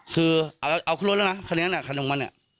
คือเอาขึ้นรถแล้วนะคันนั้นคันน้องมัน